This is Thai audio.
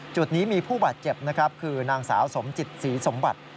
จุดนี้มีผู้บาดเจ็บนะครับคือนางสาวสมจิตศรีสมบัติ